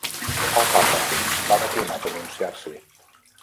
El Papa va declinar pronunciar-s'hi.